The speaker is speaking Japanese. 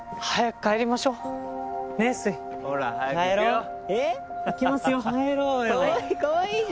はい。